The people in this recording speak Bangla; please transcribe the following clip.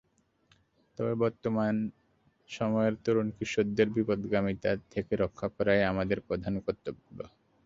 তাই বর্তমান সময়ের তরুণ-কিশোরদের বিপথগামিতা থেকে রক্ষা করাই আমাদের প্রধান কর্তব্য।